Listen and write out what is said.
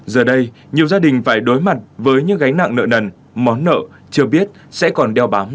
giờ đây nhiều gia đình phải đối mặt với những gánh nặng nợ nần món nợ chưa biết sẽ còn đeo bám